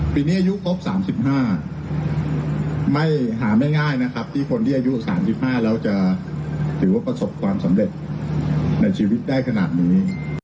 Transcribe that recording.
ปีนี้อายุครบ๓๕ไม่หาไม่ง่ายนะครับที่คนที่อายุ๓๕แล้วจะถือว่าประสบความสำเร็จในชีวิตได้ขนาดนี้